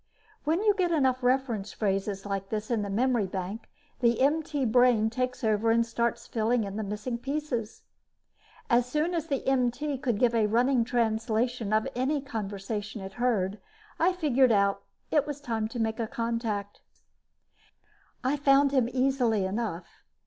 When you get enough reference phrases like this in the memory bank, the MT brain takes over and starts filling in the missing pieces. As soon as the MT could give a running translation of any conversation it heard, I figured it was time to make a contact. I found him easily enough.